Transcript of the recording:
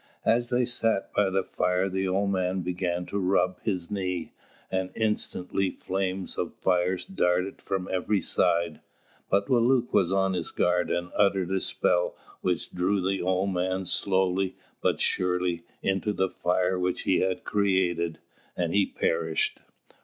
As they sat by the fire the old man began to rub his knee, and instantly flames of fire darted from every side; but Wālūt was on his guard, and uttered a spell which drew the old man slowly, but surely, into the fire which he had created, and he perished.